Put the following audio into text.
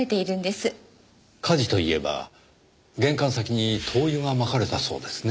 火事といえば玄関先に灯油が撒かれたそうですねぇ。